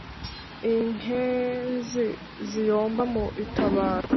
inkenzi ziyomba mu itabaro